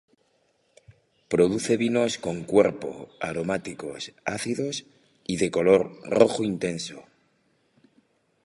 Produce vinos con cuerpo, aromáticos, ácidos y de color rojo intenso.